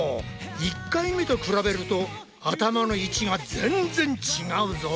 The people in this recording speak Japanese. １回目と比べると頭の位置が全然違うぞ！